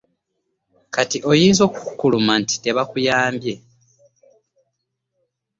Kati oyinza okukukkuluma nti tebakuyambye?